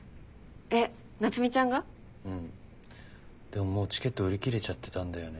でももうチケット売り切れちゃってたんだよね。